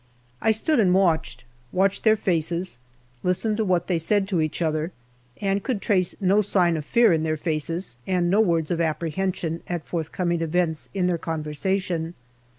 I stood and watched watched their faces, listened to what they said to each other, and could trace no sign of fear in their faces and APRIL 31 no words of apprehension at forthcoming events in their conversation.